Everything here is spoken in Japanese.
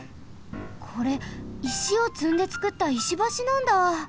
これ石をつんでつくった石橋なんだ！